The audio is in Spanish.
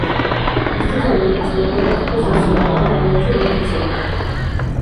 Vistos en el microscopio óptico, se asemejan al penacho de un pincel.